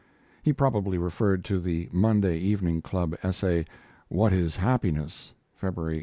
He probably referred to the Monday Evening Club essay, "What Is Happiness?" (February, 1883).